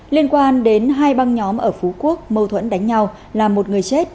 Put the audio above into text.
liên quan đến hai băng nhóm ở phú quốc mâu thuẫn đánh nhau làm một người chết